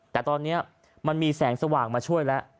แต่ตอนนี้มันมีแสงสว่างมาช่วยแล้ว